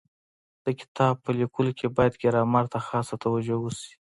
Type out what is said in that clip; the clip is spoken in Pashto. د کتاب په لیکلو کي باید ګرامر ته خاصه توجو وسي.